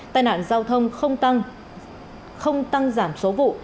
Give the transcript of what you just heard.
tai nạn giao thông không tăng giảm số vụ